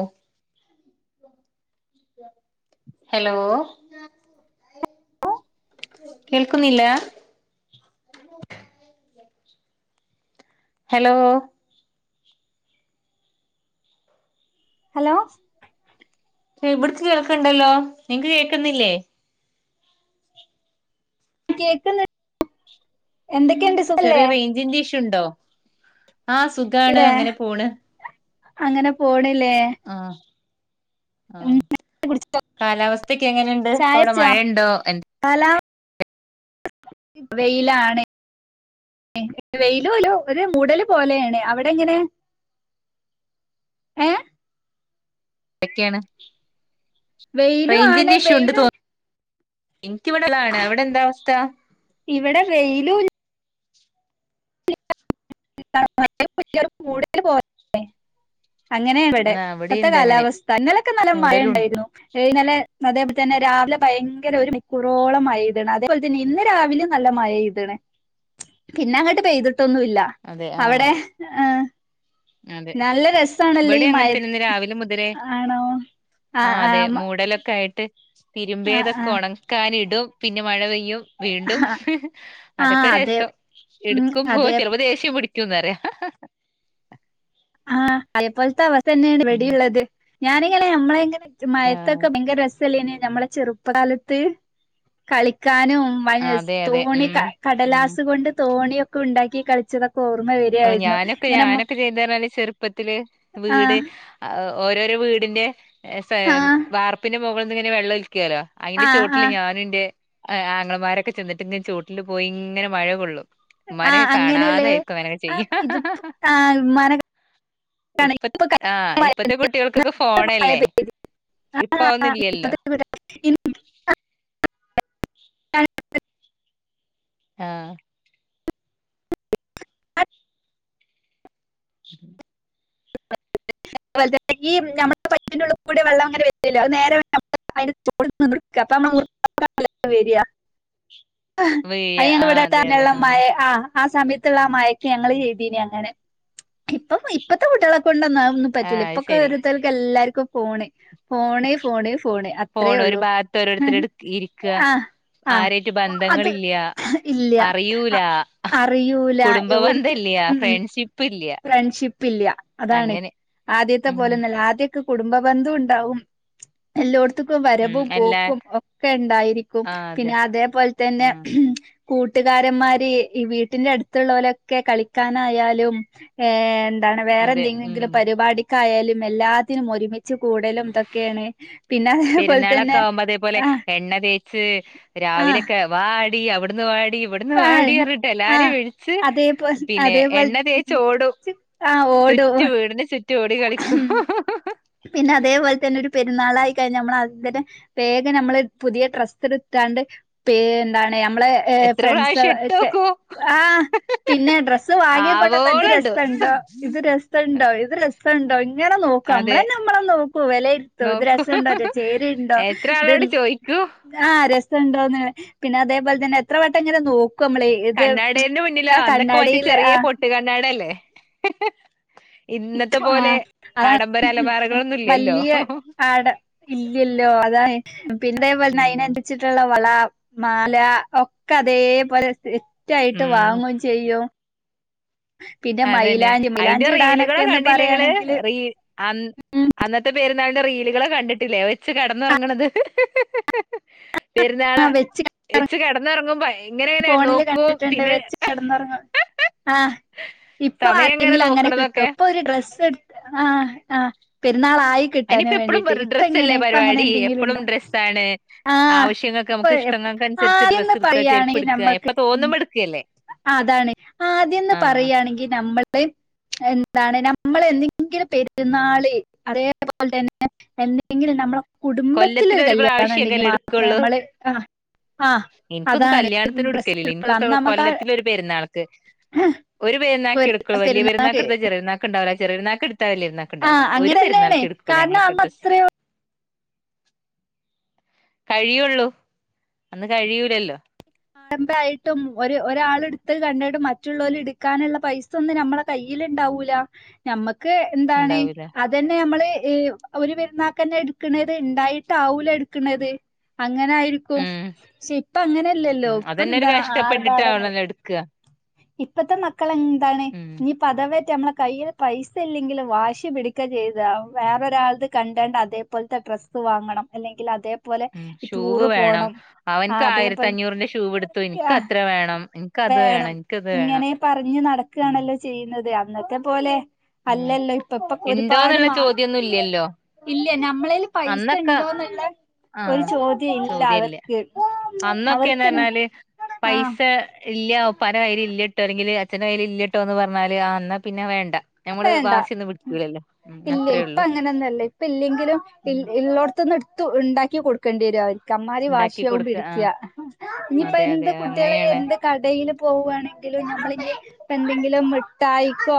ഓ hello കേൾക്കുന്നില്ല- hello hello ക്ഷെ ഇവിട്ക്ക് കേൾക്കയിണ്ടല്ലോ നിങ്ങക്ക് കേക്കുന്നില്ലേ കേക്ക്ന്ന് എന്തൊക്കെ ഇണ്ട് സുഖല്ലേ നെറ്റ്ണ്ടോ ആഹ് സുഖാണ് ഇടെ അങ്ങനെ പോണ് അങ്ങനെ പോണില്ലേ ആഹ് ആ ഉം കുടിച്ചോ കാലാവസ്ഥയക്കെ എങ്ങനെയിണ്ട് ഇപ്പ അവിടെ മഴയയിണ്ടോ എ ഇപ്പൊ വെയിലാണ് ഏ വെയിലുംയില്ല ഒരു മൂടല് പോലെയാണ് അവിടെ എങ്ങനെ ഏ എന്തൊക്കെയാണ് വെയിലും ആണ് റേഞ്ചിന്റെ ഇഷ്യുകൊണ്ട് വെയില് തോ ഇനിക്കിവിടെതാണ് എവിടെ എന്താ അവസ്ഥ ഇവിടെ വെയിലും [unintelligible] അങ്ങനെയായിവിടെ ആ ഇപ്പത്തെ ഇവിടെയുണ്ട് അങ്ങനെ കാലാവസ്ഥ ഇന്നലൊക്കെ നല്ല മയ മൂടലുണ്ട് ഇണ്ടായിരുന്നു ഏ ഇന്നലെ അതെപോലെ തന്നെ രാവിലെ ഭയങ്കര ഒരു മണിക്കൂറോളം മഴ പെയ്തിണെ അതെപോലെ തന്നെ ഇന്ന് രാവിലെ നല്ല മഴപെയ്തിണേ പിന്നെ അങ്ങട്ട് പെയ്തിട്ടൊന്നുംല് അതെ ആ അവിടെ ഏ- അതെ ഈ മഴ ഇവിടെയങ്ങനെതന്നെ രാവിലെ മുതലേ ആണോ ആ അതെ മൂടലൊക്കെ ആയിട്ട് ആ ആ തിരുമ്പിയതൊക്കൊണക്കാനിടും പിന്നെ മഴ പെയ്- യ്യും വീണ്ടും ആ അതൊക്കെ അതെ രസം ഉം എടുക്കുമ്പോ അതെ ചെലപ്പോ ദേഷ്യം പിടിക്കും ക്കുംന്ന് പറയവാ ആഹ് അതേപ്പോലത്തെ അവസ്ഥയെന്നെയാണ് ഉം ഇവിടെയുള്ളത് ഞാനയിങ്ങനെയാ നമ്മളെ എങ്ങനെ- ആഹ് മയത്തൊക്കെ ഭയങ്കര രസല്ലേന് നമ്മളെ ചെറുപ്പകാലത്ത് കളിക്കാനും- മനസ് അതെ അതെ തോണി ഉം ഉം കടലാസ് കൊണ്ട് തോണിയൊക്കെ ഉണ്ടാക്കി കളിച്ചതൊ- ഓർമ്മ വരിയായിരുന്നു ഇങ്ങനെ മ - ചെറപ്പത്തില് വീട് ഓരോരോ വീടിന്റെ ആ വാർപ്പിന്റെ- മുകൾന്ന്ങ്ങനെ വെള്ളൊലിക്കല്ലോ അയ്ന്റെ ആ ആ ചോട്ടില് ഞാനുംന്റെ ഏ ആങ്ങളമാരൊക്കെ ചെന്നിട്ടിങ്ങ് ചോട്ടില് പോയിങ്ങനെ മഴ കൊള്ളും ഉമ്മാനൊക്കെ കാണാതായിരിക്കങ്ങനെ ആഹ് ഇത്പ്പൊ ആ ഉമ്മാനെകാണാ ഇപ്പത് ആഹ് ഇപ്പത്തെ കുട്ടികൾക്കൊക്കെ മഴ ഫോണല്ലേ പെയ്ത് ആ ഇപ്പൊ അതൊന്നില്ലല്ലോ ഇപ്പത്തെ കുട്ടികൾ [unintelligible] ആഹ് അതുപോൽതന്നെ ഈ നമ്മടെ പൈപ്പിന്റുള്ളിക്കൂടെ വെള്ളംങ്ങനെ വര്ന്നില്ല്യേ അത് നേരെ വര്നം അയിന്റെ ചോട്ന്ന്നിന്ന്ട്ക്കാ അപ്പമ്മള് [unintelligible] വെരാ വീഴ ആഹ് ആഹ് അതെ അതെ [unintelligible] മഴ ആഹ് ആ സമയത്തുള്ള ആ മയക്ക് ഞങ്ങള് ചെയ്തീന് അങ്ങനെ ഇപ്പം ഇപ്പത്തെ കുട്ടികളെക്കൊ ണ്ടൊന്നതൊന്നും പറ്റി ആഹ് റ്റില്ല അത് ഇപ്പൊക്കെ ശരി ഒരോരുത്തർക്ക് എല്ലാർക്കും ഫോണ് ഫോണ് ഫോണ് ഫോണ് അത്രേ ഫോണ് ഒരു ഒള്ളൂ ആഹ് ആരേറ്റ് ബന്ധങ്ങളില്ല ഇല്ല്യ അറിയൂല അറിയൂല്ല കുടുംബ ഒര്ക്ക് ബന്ധല്ല്യ ഉം ഫ്രണ്ട്ഷിപ്പ് ഇല്ല്യ ഫ്രണ്ട്ഷിപ്പ് പ്പില്ല്യ അതാണ് അങ്ങനെ ആത് ദ്യത്തെ ഉം പോലൊന്നല്ലാ അദ്യോക്കെ കുടുംബന്ദൂണ്ടാവും എല്ലോട് ത്ത്ക്കും ഉം വരവും അല്ല പോക്കും ഒക്കെണ്ടായിരിക്കും ആഹ് അതെ പിന്നെ അതേപോൽതന്നെ ഉം ഉം കൂട്ട്കാരന്മാര് ഈ വീട്ടിന്റെ അടുത്തുള്ളവലൊക്കെ കളിക്കാനായാലും ഏന്ത്‌ ന്താണ് അതെ ഉം വേറെന്തെങ്കിലും പരിപാടിക്കായാലും എല്ലാത്തിനും ഒരുമിച്ച് കൂടലും തൊക്കേണ് പെരുന്നാളൊക്കാവുമ്പതേപോലെ എണ്ണതേ ച്ച് ആഹ് രാവിലൊക്കെ വാടി അവിടുന്ന് വാടി ഇ ഇവിട്ന്ന് വാടി ആഹ് പർഞ്ഞിട്ടെല്ലാരേം ആഹ് വിളിച്ച് അതേപോൽ പിന്നെ അതേപോൽ എണ്ണതേച്ചോടും ആഹ് ഓടും ചുറ്റും വീടിന് ചുറ്റോടി കളിക്കും ഉം [unintelligible] പിന്നെ അതേപോല്തന്നൊരു പെരുന്നാളായിക്കഴിഞ്ഞാ നമ്മളാദ്യംതന്നെ വേഗം നമ്മള് പുതിയ ട്രസ്സെട്ക്ക ണ്ട് പേന്താണ് ളെ മ്മള് ഏഹ് എത്ര പ്രാവശ്യം ഫ്രണ്ട്സെക്കെ ഇട്ടോക്കൂ ആഹ് പിന്നെ ഡ്രസ്സ് വാങ്ങികൊണ്ടാന്നെന്ത്‌ രസ് ആവോളണ്ട് സണ്ടോ ഇത് രസണ്ടോ ഇത് രസണ്ടോ ഇങ്ങനെ നോക്കമ്മ [unintelligible] നോക്കും വെലെര്ത്തും ഇത് നോക്കൂ രസുണ്ടോ [unintelligible] ചേര്ണ്ണ്ണ്ടോ എത്ര ഇത് ആളോട് ചോയിക്കൂ ആഹ് രസ് സ്ണ്ടോന്ന് പിന്നെ അതേപോല്ത്തന്നെ എത്രവട്ടം ഇങ്ങനെ നോ കണ്ണാടീന്റെ മുന്നിലൊ അന്നൊക്കെ മറ്റേ കണ്ണാടിയില് ചെറിയ ആഹ് പൊട്ട് കണ്ണാട്യല്ലേ ഹെ-ഹെ- ഇന്നത്തപോലെ ആഡംബര അലമാരകളൊന്നുല് വല്യ ആട ഇല്ല്യല്ലോ അതാണെ പിന്നേതെപോൽന്നാ ഉം അയിനൻച്ചട്ടുള്ള വള മാല ഒക്കതേപോലെ സെറ്റായിട്ട് ഉം വാങ്ങും ചെയ്യും പിന്നെ അതന്നെ മൈലാഞ്ചി അയിന്റെ മൈലാഞ്ചി റീലുകള് ഇടാനൊക്കെന്ന് കണ്ടില്ലേ ഇങ്ങള് പറയാണെങ്കില് റീ അന്ന് ഉം അന്നത്തെ പേരുന്നാളിന്റെ റീലുകള് കണ്ടട്ടില്ലേ വെച്ച് കടന്നൊറങ്ങണത് പെരുന്നാള് ആഹ് വെച്ച് വെച്ച് കെടന്നിറങ്ങുമ്പോ എങ്ങനെങ്ങനെ ഫോണില് നോക്കും കണ്ടിട്ടുണ്ട് പിന്നെ വെച്ച് കിടന്നുറങ്ങും ആഹ് ഇപ്പൊ സമയം എങ്ങനെ ആർക്കെങ്കിലു അങ്ങനെ കിട്ടും നോക്കണതൊക്കെ ഇപ്പൊ ഒരു ഡ്രസ് എട് ആഹ് ആഹ് പേരു ന്നാളായി അയിനിപ്പ കിട്ടാന്വേണ്ടിട്ട് എപ്പഴും ഇപ്പ എങ്ങനെ, ഡ്രസ്സല്ലേ ഇപ്പ അങ്ങനെ പരിപാടി എന്തെങ്കിലും എപ്പളും ഉണ്ടോ ഡ്രസ്സാണ് ആഹ് ആവശ്യങ്ങൾക്ക് നമുക്ക് ഇപ്പൊഎപ് ഇഷ്ടങ്ങൾക്കനുസരിച്ച് ഡ്രസ്സ് ആദ്യന്ന് എടുക്ക ചെരുപ്പ് പറയാണെങ്കി എടുക്ക എപ്പ നമ്മക്ക് ഉം തോന്നുമ്പോ എടുക്കല്ലേ അഹ് അതാണ് ആദ്യന്ന് ആഹ് പറയാണെങ്കിൽ നമ്മ [unintelligible] എന്താണ് നമ്മൾ എന്തെങ്കിലും പെരുന്നാള് അതേപോല്തന്നെ എന്തെങ്കിലും നമ്മള് കുടുംബത്തിലൊരു കൊല്ലത്തിലൊരു കല്യാണണ്ടെങ്കി പ്രാവശ്യൊക്കെല്ലേ മാത്രമേ എടുക്കുള്ളൂ നമ്മള് ആഹ് അഹ്, എനിക്കൊന്നും അതാണ് ഡ്രസ് [unintelligible] അന്ന് നമ്മക്ക് ആ [unintelligible] പെരുന്നാള്ക്ക് ഒരു പെരുന്നാക്കെടുക്കു വല്ല്യ പെരുന്നാക്ക് എടുത്താ ചെറിയ പെരുന്നാക്ക് ണ്ടാവില്ല, ചെറിയ പെരുന്ന ക്ക് എടുാത്ത വലിയ പെരുന്നാക്ക് ആ ഉണ്ടാവില്ല, ഒരു അങ്ങനെ പെരുന്ന തന്നെയാണ് കാരണം അന്നത്ര കഴിയുള്ളു അന്ന് കഴിയൂലല്ലോ അരമ്പായിട്ടും ഒ ഒരാൾ എടുത്തത് കണ്ടിട്ടും മറ്റുള്ളവര് എടുക്കാനുള്ള പൈസ ഒന്ന് നമ്മളെ കൈ കൈയ്യിൽ ഉണ്ടാവൂല, നമ്മക്ക് എന്താണ് ഉണ്ടാവൂല അതന്നെ നമ്മള് ഒരു പെരുന്നാക്കന്നെ എടുക്കണത് ഉണ്ടായിട്ട ആവൂല എടുക്കണതെ അങ്ങനായിരിക്കും ഉം ക്ഷെ ഇപ്പ അങ്ങനെല്ലല്ലോ ഉം ഇപ്പ അതന്നെ ഒരു എന്താ ആർഭാടങ്ങ കഷ്ടപ്പെട്ടിട്ടാവണല്ലോ എടുക്ക ഇപ്പത്തെ മക്കള് എന്താണ് ഉം നീ പദവെ നമ്മളെ കയ്യിൽ പൈസ ഇല്ലെങ്കിലും വാശി പിടിക്കുക ചെയ്ത, വേറൊരാൾത് കണ്ടണ്ട് അതേപോലത്തെ ഡ്രസ്സ് വാങ്ങണം അല്ലെങ്കിൽ അതേ ഉം, ഷൂവ് വേണം അവനക്ക് ആഹ് ആയിരത്തി അതേപോലെ അഞ്ഞൂറിന്റെ ഷൂവ് എടുത്തു, എനിക്ക് ആഹ് അത്ര വേണം. അത് വേണം ഇൻക്ക് ഇത് വേണം ഇങ്ങനെ പറഞ്ഞു ഉം നടക്കുകയാണല്ലോ ചെയ്യുന്നത് അന്നത്തെ പോലെ ഉം അല്ലല്ലോ, ഇപ്പ ഇപ്പൊ ഒരുപാട് ഇണ്ടോന്നുള്ള മാ ചോദ്യൊന്നും ഇല്ലല്ലോ ഇല്ല നമ്മളേൽ പൈസ അന്നൊക്കെ ഉണ്ടോന്നുള്ള ഒരു ചോദ്യ ഇല്ല അവർക്ക്. അന്നൊക്കെ എന്നെ അവർക്ക് പറഞ്ഞാല് ആഹ് പൈസ ഇല്ല പല കാര്യ ഇല്ലട്ടോ അല്ലെങ്കില് അച്ഛന്റെ കൈയ്യിൽ ഇല്ലട്ടോ എന്ന് പറഞ്ഞാലേ ആ അന്നാ പിന്നെ വേണ്ട. നമ്മള് വേണ്ട, വാശിയൊന്നും പിടിക്കൂലല്ലോ ഉം ഇല്ല അത്രേ ഇപ്പ ഉള്ളൂ അങ്ങനെന്നല്ല ഇപ്പ ഇല്ലെങ്കിലും ഉം ഇല്ലോടത്തൊന്നും ഉണ്ടാക്കി കൊടുക്കേണ്ടി വരും, അവര് അമ്മാരി ഉണ്ടാക്കി വാശിയാവും കൊടുക്ക ആഹ് പിടിക്കുക. ഇനിയിപ്പോ അതെ എന്ത് അതെ കുട്ടികളെ അങ്ങനെയാണ് എന്ത് കടയില് പോവുവാണെങ്കിൽ [unintelligible] ലെ മിടായ്ക്കോ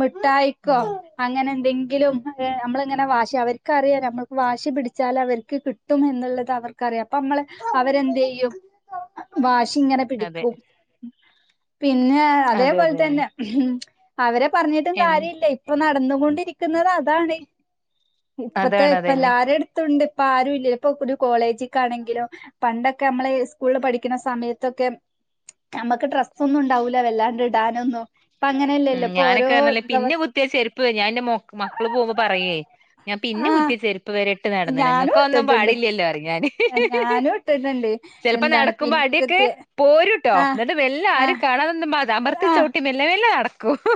മിടായിക്കോ ഉം അങ്ങനെഎന്തെങ്കി എങ്കിലും നമ്മളിങ്ങനെ വാശി അവർക്കറിയാ നമ്മക്ക് വാശി പിടിച്ചാൽ അവർക്ക് കിട്ടും എന്നുള്ളത് അവർക്ക് അ അറിയം നമ്മള് അവരെന്ത് ചെയ്യും വാശി ഇങ്ങനെ അതെ പിടിക്കും. പിന്നെ അതെ അതേപോലെ അതെന്നെ തന്നെ ഉം, അവരെ പറഞ്ഞിട്ടും എൻ കാര്യ ഇല്ല ഇപ്പ നട നടന്നൊണ്ടിരിക്കുന്നത് അതാണ് ഇപ്പത്തെ അതാണ് ഇപ്പ അതെന്നെ എല്ലരും എടുത്തോണ്ട് ഇപ്പ ആരും ഇല്ല ഇപ്പൊ ഒരു കോളേജക്കാണെങ്കിലും പണ്ടൊക്കെ നമ്മള് ഉസ്കൂളിൽ പഠിക്കുന്ന സമയത്തൊക്കെ നമ്മുക്ക് ഡ്രസ്സ് ഒന്നും ഉണ്ടാവൂല വല്ലാണ്ട് ഇടാനൊന്നും ഇപ്പ ഉം അങ്ങനെയല്ലല്ലോ. ഇപ്പൊ ഓരോ ഞാനൊക്കെ അന്നല്ലേ ദവ പിന്നെ കുത്തിയ ചെരുപ്പ് ഞാൻ എന്റെ മക്കള് പോകുമ്പോൾ പറയേ. ഞാൻ പിന്ന് ആഹ് കുത്തിയ ചെരുപ്പ് വരെ ഇട്ട് നടന്നു ഞാനും നിങ്ങൾക്ക് ഒന്നും ഇട്ടിട്ടുണ്ട് പാടില്ലല്ലോ അത്. ഞാനും ഇട്ടിട്ടുണ്ട് ചിലപ്പോ എന്താണ് നടക്കുമ്പോ അടിയൊക്കെ പിന്നെകത്തിയ പോരുട്ടോ ആഹ് എന്നിട്ട് മെല്ലെ ആരും ആഹ് കണാതെ അമർത്തിച്ച ആഹ് വിട്ടി മെല്ലെ, മെല്ലെ നട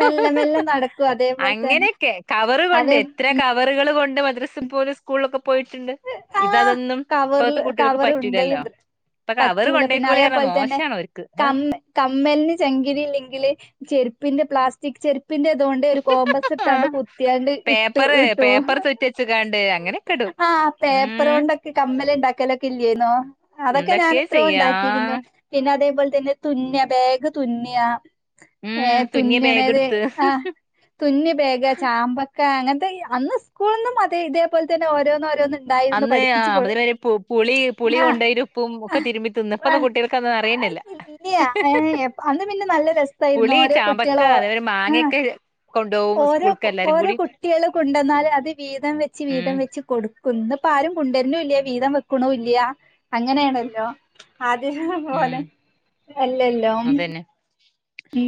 മെല്ലെ മെല്ലെ നടക്കും അതേപോലെ തന്നെ അങ്ങനെയൊക്കെ, കവർ കൊണ്ട് അതേ എത്ര കവറുകൾ കൊണ്ട് എന്റെ മദ്രസ പോല, സ്കൂളൊക്കെ പോയിട്ടുണ്ട്, ഇത്‌ ആഹ് അതൊന്നും കവറിൽ ഇപ്പോഴത്തെ കുട്ടികൾക്ക് കവർ പറ്റൂലല്ലോ. ഉണ്ടയും ഇപ്പൊ കവറ് പറ്റൂല പിന്നെ കൊണ്ടേക്കോളി പറഞ്ഞ അതേപോലെ തന്നെ മോശാണ് ഓര്ക്ക് കമ്മ കമ്മലിന് ചെങ്കിരി ഇല്ലെങ്കില് ചെരുപ്പ പിന്നെ പ്ലാസ്റ്റിക് ചെരുപ്പ് പിന്നെ അതുകൊണ്ട് ഒരു കോംമ്പസ് എടുത്താണ്ട് കുത്തിയാണ്ട് ഇട്ടു പേപ്പറ് ഇട്ടു പേപ്പർ തുറ്റച്ചക്കാണ്ട് അങ്ങനെയൊക്കെ ഇടും ആ പേപ്പറ് ഉം കൊണ്ടൊക്കെ കമ്മല് ഉണ്ടാക്കിയലൊക്കെ ഇല്ലാരുന്നോ അതൊക്കെ ഞാൻ എന്തൊക്കെ എത്രോ ചെയ്യാ ഉണ്ടാക്കിയിരുന്നു, പിന്നെ അതേപോലെ തന്നെ തുന്ന ബേഗ് തുന്നിയ ഏ ഉം തുന്നിയ ബാഗ് തുന്നണേത് എടുത്ത് ആ തുന്നി ബേഗ് ചാമ്പക്ക അന്ന് ഉസ്കൂളിന്നും അതേ ഇതേപോലെ തന്നെഓരോന്ന് ഓരോന്ന് ഉണ്ടായിരുന്നു അന്ന് പഠിപ്പിച്ചു കൊ അതിനൊരു പുളി, പുളി കൊണ്ടരു ഉപ്പും ഒക്കെ തിരുമ്മി തിന്ന് ഇപ്പത്തെ കുട്ടികൾക്ക് അത് അറിയ ഇല്ല, അന്ന് പിന്നെ നല്ല രസായിരുന്നു പുളി ഓരോ ചാമ്പക്ക കുട്ടികളും അതേപോലെ ഓ മാങ്ങയൊക്കെ കൊണ്ടോവും ഓരോ സ്കൂൾക്ക് എല്ലാരും ഓരോ കൂടി കുട്ടികള് കൊണ്ടന്നാലും അത് വീതം വെച്ച് ഉം വീതം വെച്ച് കൊ കൊടുക്കുന്ന്പ്പ ആരും കൊണ്ടുവരുന്നല്ല വീതം വെക്കണ ഇല്ല അങ്ങനെയാണല്ലോ ആദ്യ ഉം പോലെ എല്ലല്ലോ അതന്നെ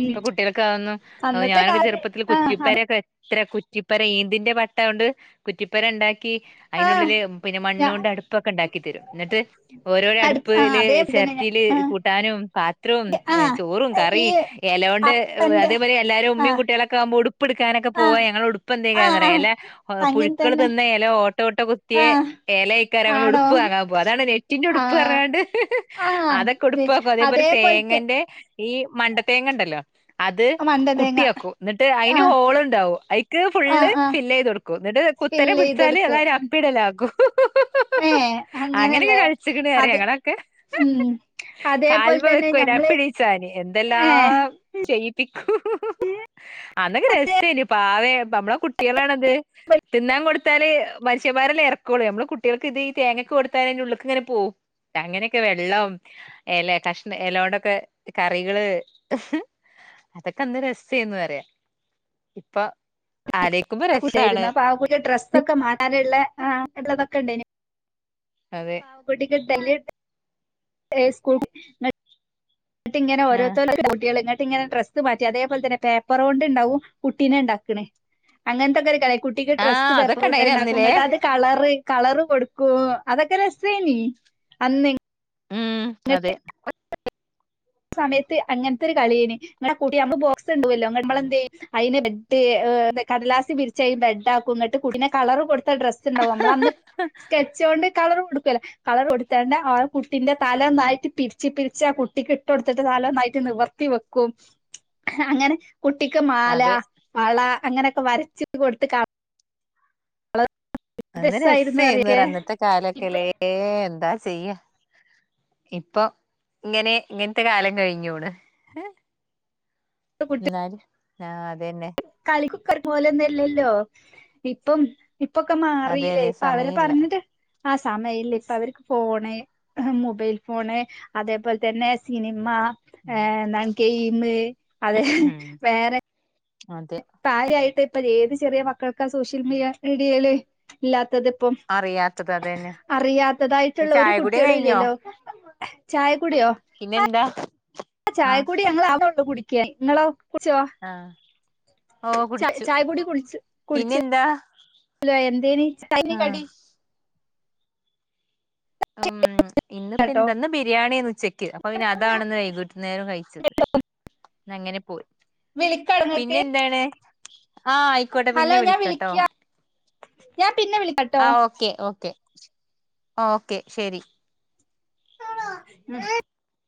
ഇപ്പൊ കുട്ടികൾക്കെ ആകുന്നു അന്നത്തെ ഞാനൊക്കെ കാല ചെറുപ്പത്തിൽ ആഹ് കുറ്റിപ്പാരൊക്കെ ഇത്ര കുറ്റിപ്പരം ഈന്തിൻന്റെ പട്ട കൊണ്ട് കുറ്റിപ്പരം ഉണ്ടാക്കി ക്കി അതിന്റെ ആഹ് ഉള്ളില് പിന്നെ മണ്ണു ഞാ കൊണ്ട് അടുപ്പൊക്കെ ഉണ്ടാക്കി തരും എന്നിട്ട് ഓരോരോ അടു ആഹ് അടുപ്പില് അതേ ചെര തന്നെ ഞാ റ്റിൽ കൂട്ടാനും പാത്രവും ആഹ് ചോറും ആഹ് ഈ കറിയും ഇലകൊണ്ട് അപ്പന്റെ അതേപോലെ എല്ലരും അമ്മയു ആഹ് കുട്ടിക ളകമ്പോൾ ഉടു ഉപ്പ്ടുക്കാനൊക്കെ പോവാ ആഹ് ഞങ്ങള ഉപ്പ ആഹ് എന്തൊക്കാറയാ ആഹ് എല്ല അങ്ങനെ പുഴുക്കൾ തന്നെ തിന്ന എല ഓട്ടോ ഓട്ടോ കുത്തിയേ ആഹ് ഏലയക്കാര അങ്ങെ ആണോ ഉടുപ്പ് വാങ്ങാൻ പോ അതാണ് നെറ്റിന്റെ ഉടുപ്പ് ആഹ് പറങ്ങാണ്ട് ആഹ് അതൊക്കെ തെ ഉടുപ്പവാക്കും അതേപോലെ അതേപോൽത്തെ തേങ്ങന്റെ ഈ മണ്ട തേങ്ങ ഉണ്ടല്ലോ അത് മണ്ട തേങ്ങ കുട്ടിയക്കൂ എന്നിട്ട് അതിന് ആഹ് ഹോള് ഉണ്ടാവും അയിക്ക് ഫുള്ള് ആഹ് ആഹ് ഫില് ചെയ്ത് കൊടുക്കൂ എന്നട്ട് ട്ട് കുത്തനെ പിടിച്ചാല് സ്പില്ലെയ്തൊട്ക്കും അതായ ഒരു അപ്പിടല ആകും ഏഹ് അങ്ങനെയൊക്കെ അങ്ങനെല്ലേ കഴിച്ചിക്കണറ അത് അങ്ങനൊക്കെ ഉം അതേപോൽ കാൽമ തന്നെ ഞമ്മള് വെക്കുനപ്പഴീച്ചാന് ഏഹ് എന്തെല്ലാം ചെയ്പ്പിക്കൂ അന്നൊക്കെ അതേ രസമായിന് പാവേ നമ്മളെ കുട്ടികളാണത് തിന്നാൻ കൊടുത്താല് മനുഷ്യമാര് ഇറക്കുള്ളൂ നമ്മളെ കുട്ടികൾക്ക് ഇത് ഈ തേങ്ങ കൊടുത്ത ഉള്ളുക്ക് ഇങ്ങനെ പോവും അങ്ങനെയൊക്കെ വെള്ളം ഇല കഷണ ഇലോണ്ടൊക്കെ കറികള് അതൊക്കെ അന്ന് രസ്റ്റ് ചെയ്യന്ന് പറയാ ഇപ്പൊ ആലോയിക്കുമ്പോ രസാണ് യിരുന്നു അപ്പൊ ആ കു ഡ്രസ്സൊക്കെ മാറാനുള്ള ആ ഉള്ളതൊക്കെ ഉണ്ടേനു അതെ പാവകുട്ടിക് സ്കൂട്ട എന്ന ഇങ്ങനെ ആഹ് ഓരോത്തട്ടിക [unintelligible] ട്ട് ഇങ്ങനെ ഡ്രസ്സ് മാറ്റി അതേപോലെ തന്നെ പേപ്പർ കൊണ്ട് ഉണ്ടാവും കുട്ടിനെ ഉണ്ടാക്കണേ അങ്ങനത്തെൊക്കെ ഒരു കള കുട്ടിക്ക് ആഹ് ഡ്രസ്സ് പേപ്പറ അതൊക്കെ കൊണ്ട് ഇണ്ടായിനി ഉണ്ടാക്കും അന്ന്ലേ കേട്ട് അത് കളറ് കളർ കൊടുക്കും അതൊക്കെ രസമായിനി അന്ന് ഉം അതെ [inaudible] സമയത്ത് അങ്ങനത്തെ ഒരു കളിന് ഇങ്ങളുടെ കട്ടിമ്മുമ്പ് ബോക്സ് ഉണ്ടല്ലോ അങ്ങമ്മള എന്ത അയിന് ബ് ആ കടലാസി പിരിച്ച ബെഡ് ആക്കും എന്നിട്ട് കുട്ടിടെ കളർ കൊടു ഡ്രസ്സ് ഉണ്ടാാവും നമ്മൾ അന്ന് സ്കെച്ച് കൊണ്ട് കളർ കൊടുക്കല്ല കളർ കൊടുത്തണ്ട് ആ കുട്ടിന്റെ തലൊന്നായിട്ട് പിരിച്ച് പിരിച്ച് ആ കുട്ടിക്ക് ഇട്ട കൊടുത്തിട്ട് തലൊന്നായിട്ട് നിവർത്തി വെക്കും അങ്ങനെ കുട്ടിക്ക് മാല അതെ വള അങ്ങനെയൊക്കെ വരച്ച് കൊടുത്ത് കാണ അന്ന് രസായിരുന്നു രസമായിന്ന് പറ അറിയൊക്കെ അന്നത്തെ കാലൊക്കെല്ലേ ഇപ്പഴത്തെ എന്താ ചെയ്യ ഇപ്പൊ ഇങ്ങനെ ഇങ്ങനത്തെ കാലം കഴിഞ്ഞൂണ് കുട്ടി എന്നല് ആഹ അത തന്നെ കളിക്കക്കർ പോലന്നല്ലല്ലോ ഇപ്പം [unintelligible] ഇപ്പൊക്കെ അതെ മാറില്ലേ അതെ ഇപ്പൊ അവരെ സമയില്ല പറഞ്ഞിട്ട് ആ സമയൽ ഇപ്പ അവർക്ക് ഫോണ് മൊബൈൽ ഫോണ് അതേപോലെ തന്നെ സിനിമ ഏ എന്താണ് ഗെയിം അതെ ഉം വേറെ അതെ പാര്യായിട്ട് ഇപ്പ ഏത് ചെറിയ മക്കൾക്ക സോഷ്യൽ മീഡിയയില് ഇല്ലാത്ത ത്തതിപ്പം അറിയാത്തത് അതന്നെ അറിയാത്തതായിട്ടുള്ള ഒരു ചായകുടി കുട്ടികളും കഴിഞ്ഞോ ഇല്ലല്ലോ പിന്നെന്താ ആ ആഹ് ചായക്കൂടി ഞങ്ങ ആാവള്ളൂ കുടിക്ക നിങ്ങളോ കുടിച്ചോ ആഹ് ഓ ച കുടിച്ചു ചായ പൊടി കുടിച്ച് കുടിച്ച് പിന്നെന്താ എന്തേനി ചായക്ക് ആഹ് കടി ഉം ഇന്ന് കേട്ടോ പിന്തന്ന് ബിരിയാണിന്ന് ഉച്ചക്ക് അപ്പൊ പിന്നെ അതാണെന്ന് വൈകിട്ട നേേരം കഴിച്ചത് അങ്ങനെ പോയി വിളിക്കാ പിന്നെ ഇങ്ങക്ക് എന്താണ് ആഹ ആയിക്കോട്ടെ ഹലോ പിന്നെ ഞാൻ വിളിക്കോട്ടോ വിളിക്കാ ഞാൻ പിന്നെ വിളിക്കാട്ടോ ആ ഓക്കെ ഓക്കെ ഓക്കെ ശരി [inaudible]